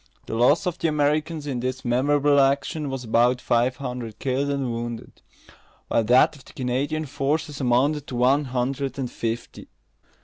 The loss of the Americans in this memorable action was about five hundred killed and wounded; while that of the Canadian forces amounted to one hundred and fifty.